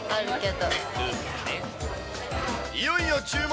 いよいよ注文。